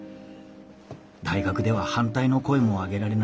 大学では反対の声も上げられないでしょう。